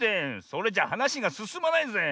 それじゃはなしがすすまないぜ。